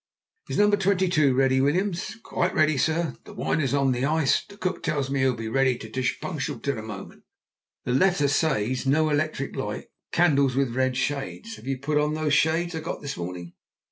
"Is No. 22 ready, Williams?" "Quite ready, sir. The wine is on the ice, and cook tells me he'll be ready to dish punctual to the moment." "The letter says, 'no electric light; candles with red shades.' Have you put on those shades I got this morning?"